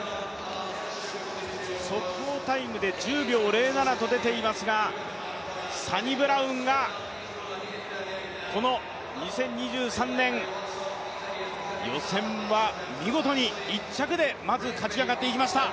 速報タイムで１０秒０７と出ていますが、サニブラウンがこの２０２３年、予選は見事に１着でまず勝ち上がっていきました。